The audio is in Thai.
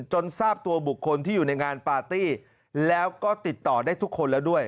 จนทราบตัวบุคคลที่อยู่ในงานปาร์ตี้แล้วก็ติดต่อได้ทุกคนแล้วด้วย